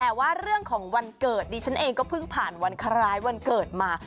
แต่ว่าเรื่องของวันเกิดดิฉันเองก็เพิ่งผ่านวันคล้ายวันเกิดมา